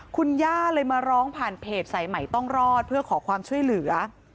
คุณย่าเลยมาร้องผ่านเพจสายใหม่ต้องรอดเพื่อขอความช่วยเหลือ